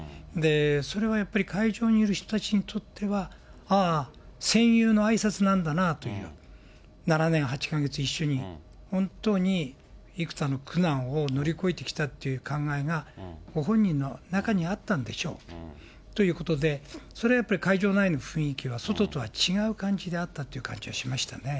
それはやっぱり会場にいる人たちにとっては、ああ、戦友のあいさつなんだなという、７年８か月一緒に、本当に幾多の苦難を乗り越えてきたっていう考えがご本人の中にあったんでしょう、ということで、それはやっぱり会場内の雰囲気は外とは違う感じであったという感じはしましたね。